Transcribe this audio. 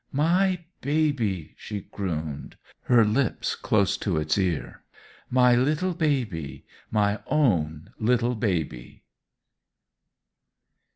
"My baby!" she crooned, her lips close to its ear; "my little baby my own little baby!"